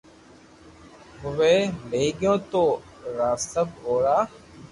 اووي لئي گيو تو را سب اورزا